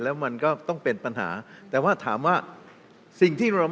แล้วมันก็ต้องเป็นปัญหาแต่ว่าถามว่าสิ่งที่เรา